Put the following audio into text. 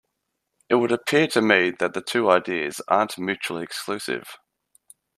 It would appear to me that the two ideas aren't mutually exclusive.